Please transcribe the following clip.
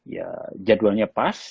ya jadwalnya pas